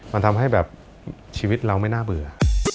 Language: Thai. มันทำให้แบบชีวิตเราไม่น่าเบื่อ